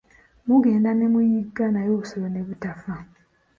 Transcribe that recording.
Kugenda ne muyigga naye obusolo ne butafa.